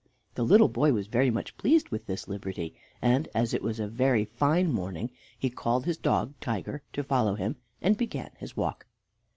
The little boy was very much pleased with this liberty, and as it was a very fine morning he called his dog Tiger to follow him, and began his walk.